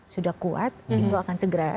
sudah kuat itu akan segera